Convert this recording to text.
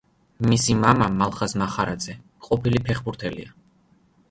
მისი მამა, მალხაზ მახარაძე, ყოფილი ფეხბურთელია.